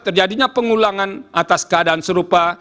terjadinya pengulangan atas keadaan serupa